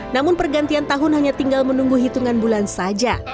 namun pergantian tahun hanya tinggal menunggu hitungan bulan saja